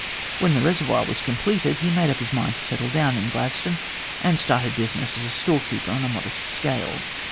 When the reservoir was completed, he made up his mind to settle down in Gladstone, and started business as a store keeper on a modest scale.